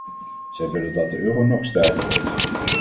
Zij willen dat de euro nog sterker wordt.